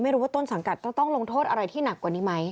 ไม่รู้ว่าต้นสังกัจต้องลงทศอะไรที่หนักกว่านี้ไหม